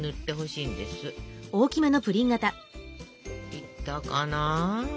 いったかな。